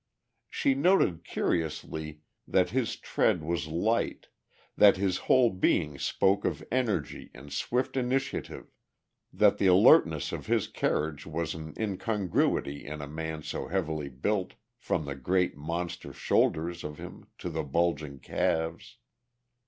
She noted curiously that his tread was light, that his whole being spoke of energy and swift initiative, that the alertness of his carriage was an incongruity in a man so heavily built from the great, monster shoulders of him to the bulging calves.